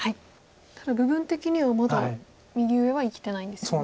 ただ部分的にはまだ右上は生きてないんですよね。